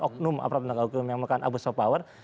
oknum aparat penegak hukum yang merupakan abut of power